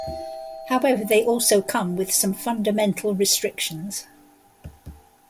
However, they also come with some fundamental restrictions.